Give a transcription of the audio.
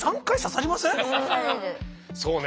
そうね。